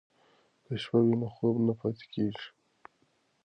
که شپه وي نو خوب نه پاتې کیږي.